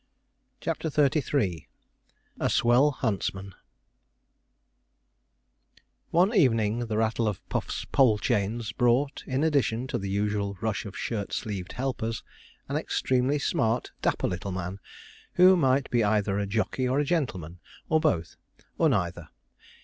CHAPTER XXXIII A SWELL HUNTSMAN One evening the rattle of Puff's pole chains brought, in addition to the usual rush of shirt sleeved helpers, an extremely smart, dapper little man, who might be either a jockey or a gentleman, or both, or neither.